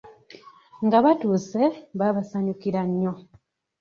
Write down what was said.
Nga batuuse, baabasanyukira nnyo.